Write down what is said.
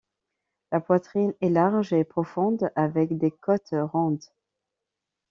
La poitrine est large et profonde, avec des côtes rondes.